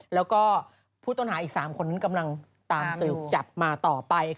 แล้วก็ผู้ต้นหาอีก๓คนนึงกำลังตามศิลป์จับมาต่อไป